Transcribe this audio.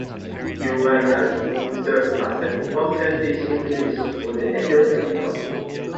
Urayasu served as an important fishing village for the Edo capitol.